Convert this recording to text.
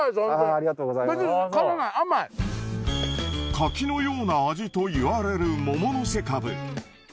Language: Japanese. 柿のような味といわれるもものすけかぶ。